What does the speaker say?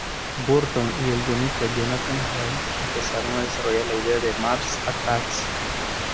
Burton y el guionista Jonathan Gems empezaron a desarrollar la idea de "Mars Attacks!